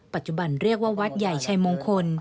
ปัจจุบันเรียกว่าวัดใหญ่ชัยมงคล